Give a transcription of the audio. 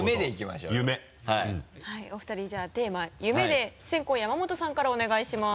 はいお二人じゃあテーマ夢で先攻山本さんからお願いします。